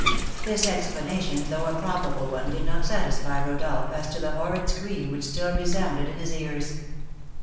This explanation, though a probable one, did not satisfy Rodolph as to the horrid scream which still resounded in his ears.